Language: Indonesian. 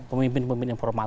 untuk memimpin mimpin informal